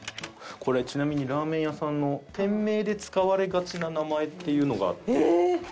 これちなみにラーメン屋さんの店名で使われがちな名前っていうのがあって。